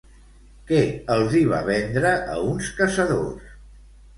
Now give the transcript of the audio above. Què els hi va vendre a uns caçadors?